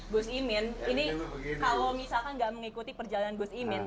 gus imin ini kalau misalkan nggak mengikuti perjalanan gus imin